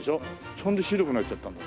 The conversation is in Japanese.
それで白くなっちゃったんだ。